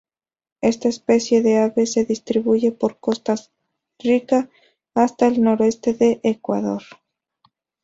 Esta especie de ave se distribuye por Costa Rica, hasta el noroeste de Ecuador.